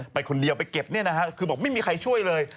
ไปคนเดียวไปเก็บคือบอกไม่มีใครช่วยเลย